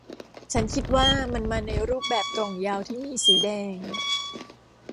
ฉันคิดว่ามันมาในรูปแบบกล่องยาวที่มีสีแดง